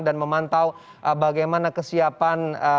dan memantau bagaimana kesiapan